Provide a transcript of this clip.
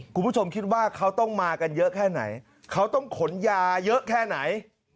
คุณผู้ชมคิดว่าเขาต้องมากันเยอะแค่ไหนเขาต้องขนยาเยอะแค่ไหน